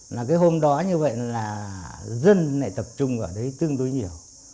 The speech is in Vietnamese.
là cái hôm đó như vậy là dân lại tập trung ở đấy tương đối nhiều